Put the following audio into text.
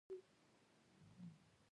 د چرګانو واکسین له کومه کړم؟